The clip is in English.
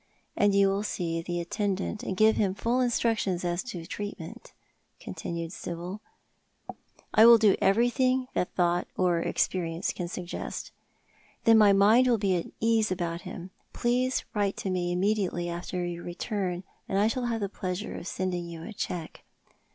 And you will see the attendant, and give him full instructions as to treatment," continued Sibyl. " I will do everything that thought or experience can suggest." " Then my mind will be at ease about him. Please write to me immediately after your return, and I shall have the pleasure of sending you a cheque."